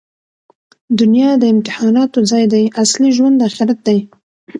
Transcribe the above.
دونیا د امتحاناتو ځای دئ. اصلي ژوند آخرت دئ.